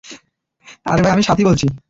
আরে ভাই, আমি সাতই বলছি।